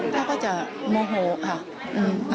ถ้าก็จะโมโหค่ะ